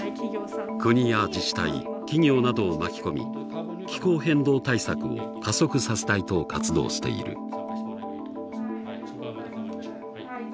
国や自治体企業などを巻き込み気候変動対策を加速させたいと活動している。